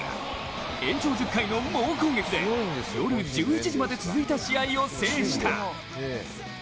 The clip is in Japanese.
延長１０回の猛攻撃で夜１１時まで続いた試合を制した。